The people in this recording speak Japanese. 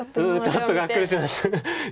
ちょっとがっくりしました。